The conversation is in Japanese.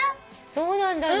そうなんだね。